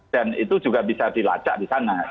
dan itu juga bisa dilacak di sana